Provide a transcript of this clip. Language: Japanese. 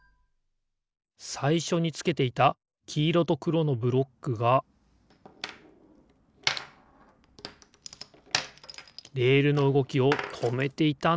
さいしょにつけていたきいろとくろのブロックがレールのうごきをとめていたんですね。